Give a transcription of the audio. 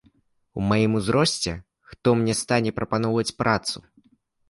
У маім узросце хто мне стане прапаноўваць працу?